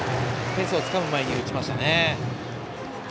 ペースをつかむ前に打ちましたね。